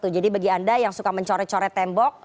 jadi bagi anda yang suka mencoret coret tembok